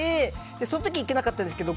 その時、行けなかったんですけど